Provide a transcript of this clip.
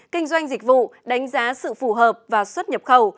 kinh doanh dịch vụ đánh giá sự phù hợp và xuất nhập khẩu